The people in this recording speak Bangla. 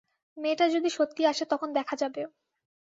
মেয়েটা যদি সত্যি আসে তখন দেখা যাবে।